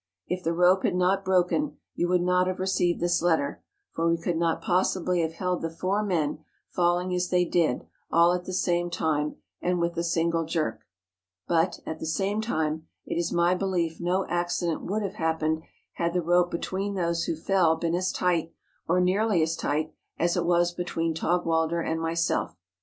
If the rope had not broken you would not have received this letter, for we could not possibly have held the four men, falling as they did, all at the same time, and with a single jerk. But, at the same time, it is my belief no accident would have happened had the rope between those who fell been as tight, or nearly as tight, as it was between Taugwalder and myself.